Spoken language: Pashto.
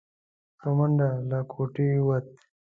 په منډه له کوټې ووت.